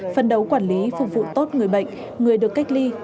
phân đấu quản lý phục vụ tốt người bệnh người được cách ly